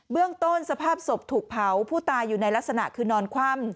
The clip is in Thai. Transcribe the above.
เรื่องต้นสภาพศพถูกเผาผู้ตายอยู่ในลักษณะคือนอนคว่ำ